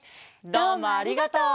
どうもありがとう！